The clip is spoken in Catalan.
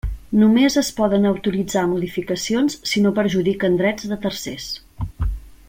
Només es poden autoritzar modificacions si no perjudiquen drets de tercers.